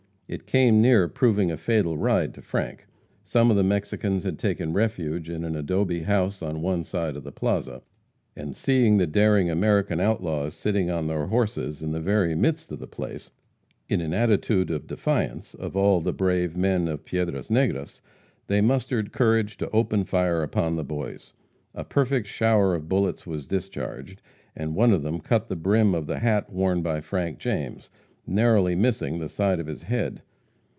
It came near proving a fatal ride to Frank. Some of the Mexicans had taken refuge in an adobe house on one side of the plaza, and seeing the daring American outlaws sitting on their horses in the very midst of the place, in an attitude of defiance of all "the brave men" of Piedras Negras, they mustered courage to open fire upon the boys. A perfect shower of bullets was discharged, and one of them cut the brim of the hat worn by Frank James, narrowly missing the side of his head.